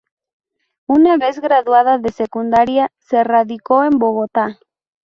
Una vez graduada de secundaria, se radicó en Bogotá.